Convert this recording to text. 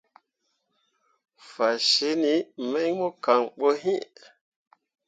Fasǝǝni mai mo kan ɓo iŋ.